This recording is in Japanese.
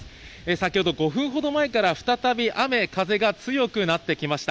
先ほど５分ほど前から、再び雨、風が強くなってきました。